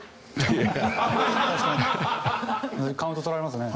確かにカウント取られますね。